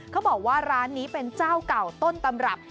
เขาบอกว่าร้านนี้เป็นเจ้าเก่าต้นตำรับ